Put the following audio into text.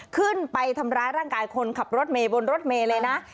ขึ้นไปทำร้ายร่างกายคนขับรถเมย์บนรถเมย์เลยนะ